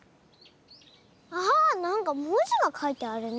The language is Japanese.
あっなんかもじがかいてあるね。